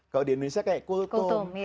kalau di indonesia kayak kultum